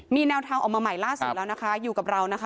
มีแนวทางออกมาใหม่ล่าสุดแล้วนะคะอยู่กับเรานะคะ